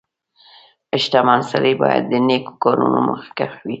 • شتمن سړی باید د نیکو کارونو مخکښ وي.